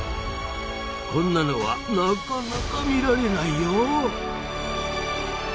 こんなのはなかなか見られないよ。